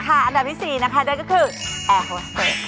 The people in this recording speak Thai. ค่ะอันดับที่สี่นะคะได้ก็คือแอร์ฮอสเตอร์